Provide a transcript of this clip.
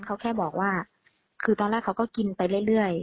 เขาแค่บอกว่าคือตอนแรกเขาก็กินไปเรื่อย